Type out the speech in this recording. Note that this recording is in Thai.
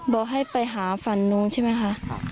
บอกให้ไปหาฝันนู้นใช่ไหมคะ